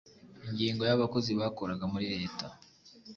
Ingingo ya Abakozi bakoraga muri leta.